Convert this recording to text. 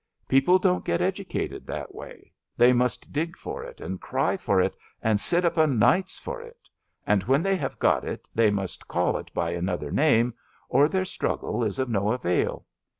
People don't get educated that way. They must dig for it, and cry for it, and sit up o' nights for it; and when they have got it they must call it by another name or their struggle is of no avail.